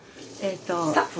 スタッフ？